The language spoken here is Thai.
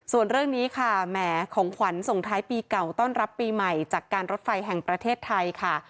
ส่วนเรื่องนี้ค่ะแหมของขวัญส่งท้ายปีเก่าต้อนรับปีใหม่จากการรถไฟแห่งประเทศไทยค่ะ